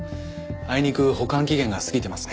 あいにく保管期限が過ぎてますね。